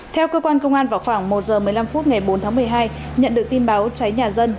theo cơ quan công an vào khoảng một h một mươi năm phút ngày bốn tháng một mươi hai nhận được tin báo cháy nhà dân